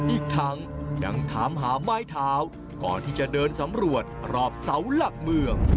อีกทั้งยังถามหาไม้เท้าก่อนที่จะเดินสำรวจรอบเสาหลักเมือง